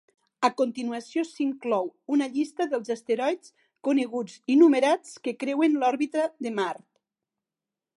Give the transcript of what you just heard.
A continuació s'inclou una llista dels asteroids coneguts i numerats que creuen l'òrbita de Mart.